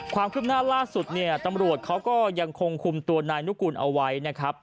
ความคืบหน้าล่าสุดเนี่ยตำรวจเขาก็ยังคงคุมตัวนายนุกูลเอาไว้นะครับ